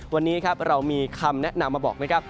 วันนี้ครับเรามีคำแนะนำมาบอกนะครับ